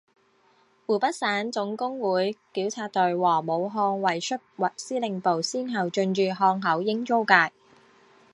湖北省总工会纠察队和武汉卫戍司令部先后进驻汉口英租界。